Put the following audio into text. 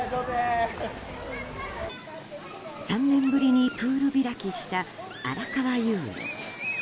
３年ぶりにプール開きしたあらかわ遊園。